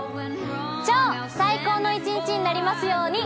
超最高の一日になりますように。